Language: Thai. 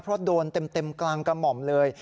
เพราะโดนเต็มกลางกระหม่อมเลย